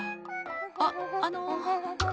あっあの。